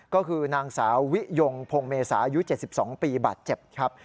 ก็คือนางสาววิยงพงเมษาอายุ๗๒ปีบาดเจ็บครับ